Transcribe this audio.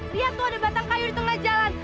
lihat tuh ada batang kayu di tengah jalan